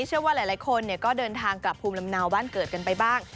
เชื่อว่าหลายคนก็เดินทางกลับภูมิลำเนาบ้านเกิดกันไปบ้าง